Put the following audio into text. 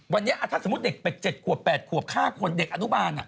วันนี้ถ้าสมมุติเด็กเป็น๗ขวบ๘ขวบ๕คนเด็กอนุบาลอ่ะ